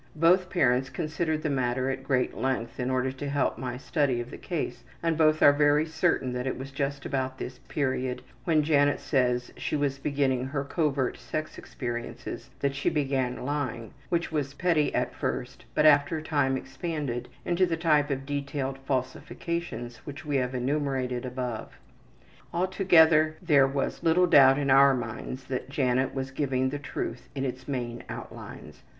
Both parents considered the matter at great length in order to help my study of the case and both are very certain that it was just about this period when Janet says she was beginning her covert sex experiences that she began the lying, which was petty at first, but after a time expanded into the type of detailed falsifications we have enumerated above. Altogether there was little doubt in our minds that Janet was giving the truth in its main outlines.